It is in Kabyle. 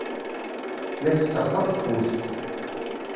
La setteɣ taḍeffut.